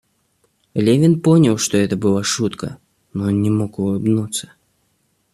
Левин понял, что это была шутка, но не мог улыбнуться.